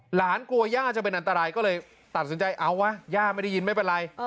กลัวย่าจะเป็นอันตรายก็เลยตัดสินใจเอาวะย่าไม่ได้ยินไม่เป็นไร